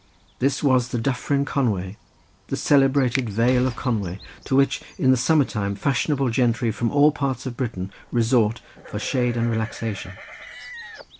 This was the Dyffryn Conway, the celebrated Vale of Conway, to which in the summer time fashionable gentry from all parts of Britain resort for shade and relaxation.